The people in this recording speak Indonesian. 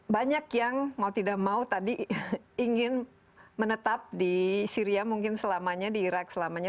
banyak yang mau tidak mau tadi ingin menetap di syria mungkin selamanya di irak selamanya